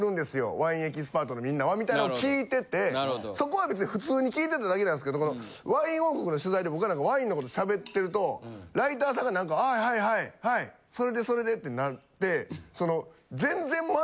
ワインエキスパートのみんなは」みたいなんを聞いててそこは別に普通に聞いてただけなんですけどこの『ワイン王国』の取材で僕がなんかワインの事を喋ってるとライターさんがなんか「はいはいはい。それでそれで？」ってなってその。